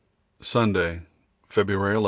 Sunday, February 11.